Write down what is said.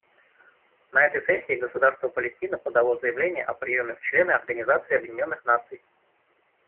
На этой сессии Государство Палестина подало заявление о приеме в члены Организации Объединенных Наций.